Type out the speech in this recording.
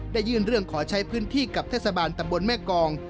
ยื่นเรื่องขอใช้พื้นที่กับเทศบาลตำบลแม่กอง